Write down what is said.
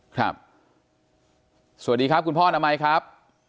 สวัสดีครับคุณพ่อนามัยครับ